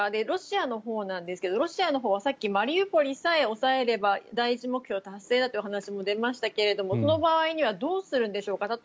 ロシアのほうなんですがロシアのほうはさっきマリウポリさえ押さえれば第１目標達成だというお話も出ましたがその場合にはどうするんでしょうか。